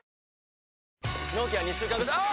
納期は２週間後あぁ！！